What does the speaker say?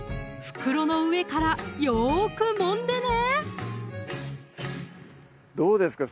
袋の上からよくもんでねどうですか？